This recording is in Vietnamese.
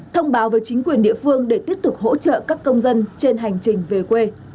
thông báo với chính quyền địa phương để tiếp tục hỗ trợ các công dân trên hành trình về quê